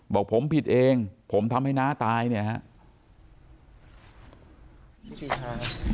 บอกผมผิดเองผมทำให้น้าตายเนี่ยฮะ